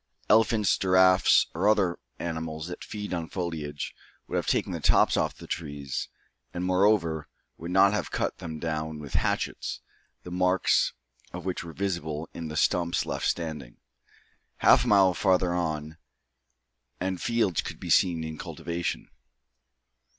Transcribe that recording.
Elephants, giraffes, or other animals that feed on foliage would have taken the tops of the trees, and, moreover, would not have cut them down with hatchets, the marks of which were visible in the stumps left standing. Half a mile farther on, and fields could be seen in cultivation.